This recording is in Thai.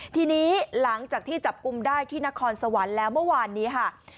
ทีนี้หลังจากที่จับกลุ่มได้ที่นครสวรรค์แล้วเมื่อวานนี้ค่ะ